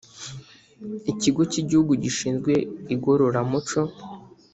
ikigo cy’igihugu gishinzwe igororamuco